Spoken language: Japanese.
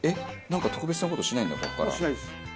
なんか特別な事しないんだここから。